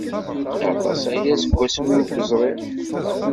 Aṭas aya seg wasmi ur k-ẓriɣ!